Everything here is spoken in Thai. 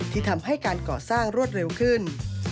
ที่ทำให้การก่อสร้างรวดเร็วขึ้น